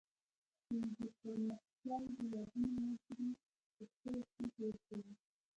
چې د پرمختیایي هیوادونو وګړي په خپلو پښو ودروي.